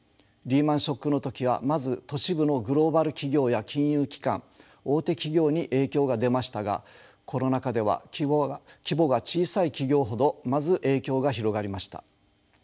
リーマンショックの時はまず都市部のグローバル企業や金融機関大手企業に影響が出ましたがコロナ禍では規模が小さい企業ほどまず影響が広がりました。